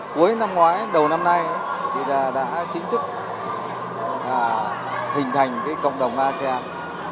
cuối năm ngoái đầu năm nay đã chính thức hình thành cộng đồng asean